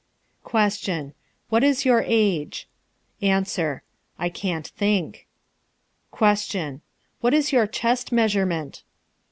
Question. What is your age? Answer. I can't think. Q. What is your chest measurement?